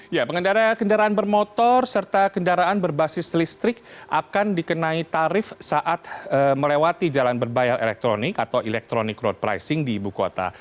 ya pengendara kendaraan bermotor serta kendaraan berbasis listrik akan dikenai tarif saat melewati jalan berbayar elektronik atau electronic road pricing di ibu kota